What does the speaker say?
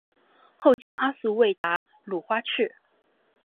后兼阿速卫达鲁花赤。